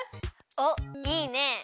おっいいね！